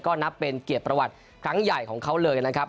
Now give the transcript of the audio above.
ก็นับเป็นเกียรติประวัติครั้งใหญ่ของเขาเลยนะครับ